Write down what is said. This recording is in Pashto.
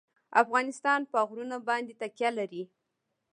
افغانستان په غرونه باندې تکیه لري.